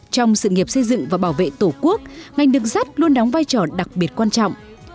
trong sự nghiệp xây dựng và bảo vệ tổ quốc ngành đường sắt luôn đóng vai trò đặc biệt quan trọng